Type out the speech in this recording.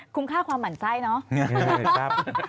คุ้มค่าความหมั่นใส่เนอะ